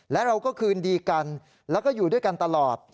และเราก็คืนดีกันแล้วก็อยู่ด้วยกันตลอด